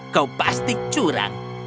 kau pasti curang